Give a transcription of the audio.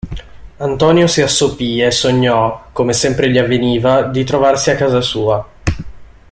Antonio si assopì e sognò, come sempre gli avveniva, di trovarsi a casa sua.